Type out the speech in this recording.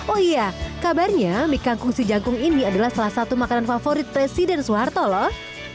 oh iya kabarnya mie kangkung si jangkung ini adalah salah satu makanan favorit presiden soeharto loh